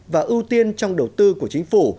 và ưu tiên trong đầu tư của chính phủ